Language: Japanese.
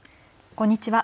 こんにちは。